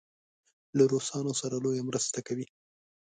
له روسانو سره لویه مرسته کوي.